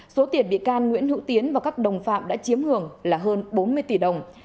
số tiền bị can nguyễn hữu tiến và các đồng phạm đã chiếm hưởng là hơn bốn mươi tỷ đồng